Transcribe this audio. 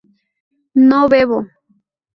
no bebo